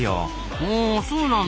ほうそうなんだ。